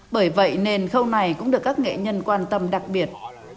bởi vậy nền khâu này cũng được các nghệ nhân quan tâm đặc biệt